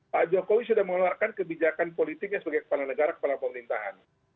pak jokowi sudah mengeluarkan kebijakan politiknya sebagai kepala negara kepala pemerintahan